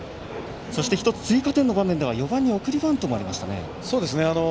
そして１つ追加点の場面では４番に送りバントもありましたね。